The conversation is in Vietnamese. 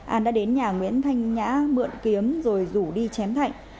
an đã đến nhà nguyễn thanh nhã mượn kiếm rồi rủ đi chém thạnh